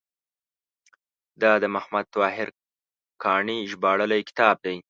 دا د محمد طاهر کاڼي ژباړلی کتاب دی.